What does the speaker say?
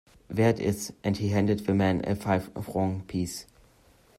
"There it is," and he handed the man a five-franc piece.